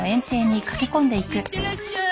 いってらっしゃい。